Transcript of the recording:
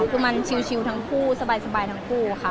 คือมันชิลทั้งคู่สบายทั้งคู่ค่ะ